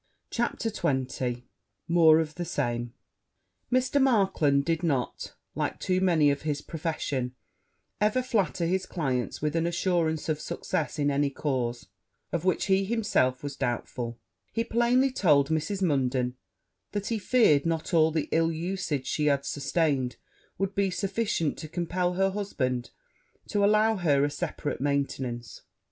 CHAPTER XX More of the same Mr. Markland did not, like too many of his profession, ever flatter his clients with an assurance of success in any cause of which he himself was doubtful: he plainly told Mrs. Munden, that he feared not all the ill usage she had sustained would be sufficient to compel her husband to allow her a separate maintenance.